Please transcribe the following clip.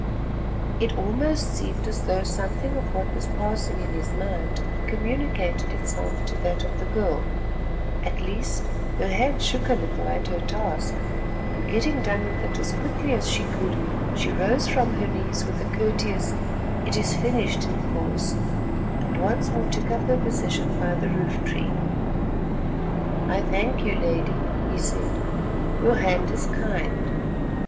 It almost seemed as though something of what was passing in his mind communicated itself to that of the girl. At least, her hand shook a little at her task, and getting done with it as quickly as she could, she rose from her knees with a courteous "It is finished, Inkoos," and once more took up her position by the roof tree. "I thank you, Lady," he said; "your hand is kind."